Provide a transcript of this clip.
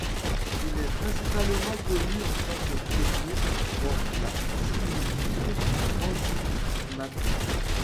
Il est principalement connu en tant que pionnier dans la cinétique enzymatique.